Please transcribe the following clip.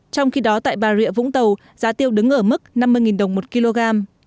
trong khi đó tại bà rịa vũng tàu giá tiêu đứng ở mức năm mươi đồng một kg